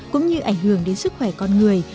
cũng như ảnh hưởng đến sức khỏe con người